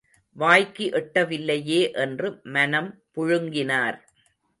வாய்க்கு எட்டவில்லையே என்று மனம் புழுங்கினார்.